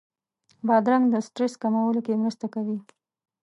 بادرنګ د سټرس کمولو کې مرسته کوي.